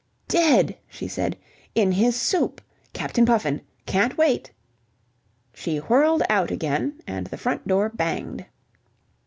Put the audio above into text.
"Dead!" she said. "In his soup. Captain Puffin. Can't wait!" She whirled out again and the front door banged.